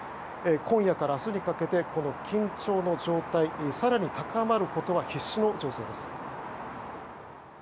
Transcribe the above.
今夜から明日にかけて緊張の状態が更に高まることが必至の情勢です。